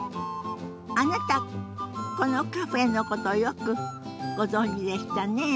あなたこのカフェのことよくご存じでしたね。